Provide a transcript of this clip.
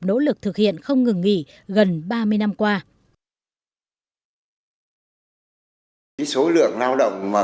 nỗ lực thực hiện không ngừng nghỉ gần ba mươi năm qua